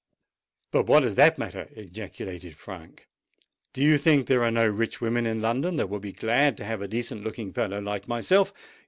"And what does that matter?" ejaculated Frank. "Do you think there are no rich women in London that would be glad to have a decent looking fellow like myself.